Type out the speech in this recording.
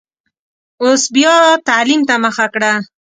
اوس بیا تعلیم ته مخه کړه.